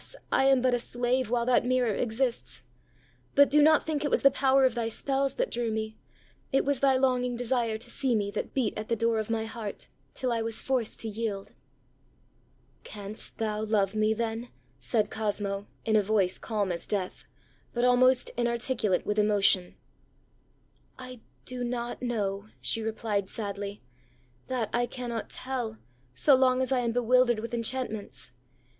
I am but a slave, while that mirror exists. But do not think it was the power of thy spells that drew me; it was thy longing desire to see me, that beat at the door of my heart, till I was forced to yield.ã ãCanst thou love me then?ã said Cosmo, in a voice calm as death, but almost inarticulate with emotion. ãI do not know,ã she replied sadly; ãthat I cannot tell, so long as I am bewildered with enchantments.